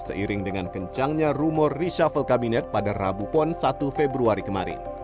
seiring dengan kencangnya rumor reshuffle kabinet pada rabu pon satu februari kemarin